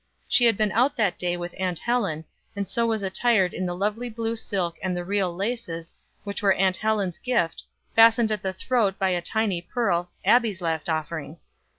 She had been out that day with Aunt Helen, and so was attired in the lovely blue silk and the real laces, which were Aunt Helen's gift, fastened at the throat by a tiny pearl, Abbie's last offering.